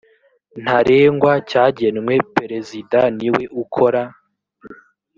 ntarengwa cyagenwe perezida niwe ukora